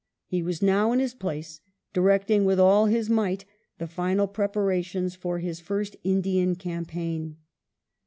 He was now in his place, directing with all his might the final preparations for his first Indian campaign.